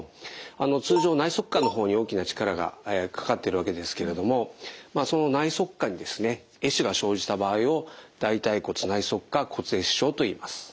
通常内側顆の方に大きな力がかかっているわけですけれどもその内側顆に壊死が生じた場合を大腿骨内側顆骨壊死症といいます。